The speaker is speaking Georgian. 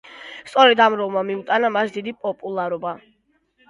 სწორედ ამ როლმა მოუტანა მას დიდი პოპულარობა.